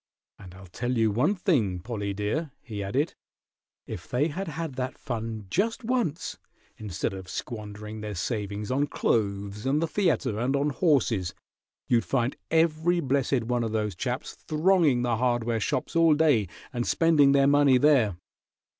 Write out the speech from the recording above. "And I'll tell you one thing, Pollie, dear," he added, "if they had had that fun just once, instead of squandering their savings on clothes and the theatre, and on horses, you'd find every blessed one of those chaps thronging the hardware shops all day and spending their money there.